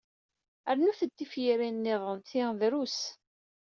Rnut-d tifyirin-niḍen, ti drus.